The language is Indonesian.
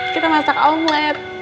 kita masak omlet